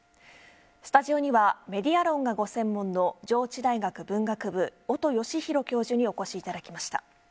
スタジオにはメディア論がご専門の上智大学文学部、音好宏教授にお越しいただきました。